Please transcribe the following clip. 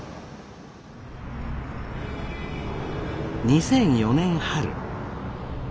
２００４年春。